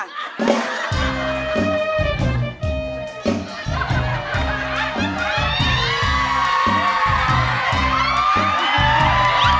พ่อเชื่อมันในตัวลูกพ่อได้